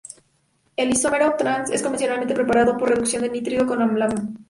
El isómero trans es convencionalmente preparado por reducción del nitrito con amalgama de sodio.